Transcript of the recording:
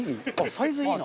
サイズいいな。